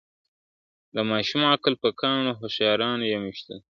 د ماشوم عقل په کاڼو هوښیارانو یم ویشتلی !.